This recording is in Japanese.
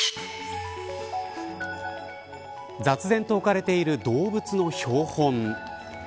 雑然と置かれている動物の標本。